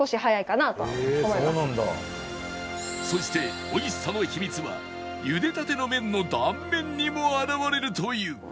そして美味しさの秘密は茹でたての麺の断面にも表れるという